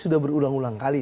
sudah berulang ulang kali